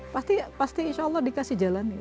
pasti pasti insya allah dikasih jalan gitu